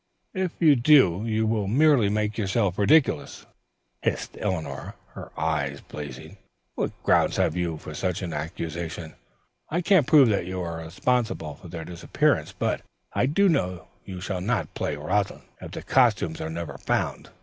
"If you do, you will merely make yourself ridiculous," hissed Eleanor, her eyes blazing. "What grounds have you for such an accusation?" "I can't prove that you are responsible for their disappearance, but I do know that you shall not play 'Rosalind,' if the costumes are never found."